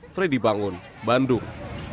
fredy bangun bandung